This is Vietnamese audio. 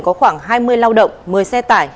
có khoảng hai mươi lao động một mươi xe tải